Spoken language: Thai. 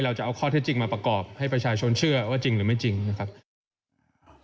จะเอาข้อเท็จจริงมาประกอบให้ประชาชนเชื่อว่าจริงหรือไม่จริงนะครับ